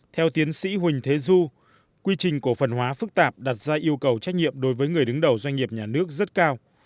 theo tiến sĩ huỳnh thế du quy trình cổ phần hóa phức tạp đặt ra yêu cầu trách nhiệm đối với người đứng đầu doanh nghiệp nhà nước rất cao